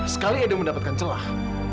sekali edo mendapatkan celah